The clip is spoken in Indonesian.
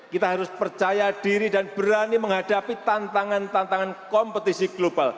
kita harus percaya diri dan berani menghadapi tantangan tantangan kompetisi global